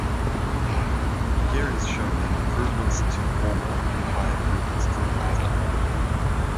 Here is shown that improvements to the former imply improvements to the latter.